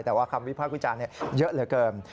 แต่ว่าคำวิพากษ์วิจารณ์เยอะเหลือเกิน